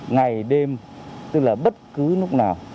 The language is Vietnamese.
ngày đêm tức là bất cứ lúc nào